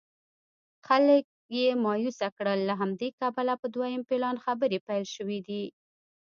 خلک یې مایوسه کړل له همدې کبله په دویم پلان خبرې پیل شوې دي.